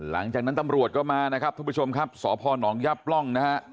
หลังจากนั้นตำรวจก็มานะครับทุกผู้ชมครับสพนยับร่องนะฮะ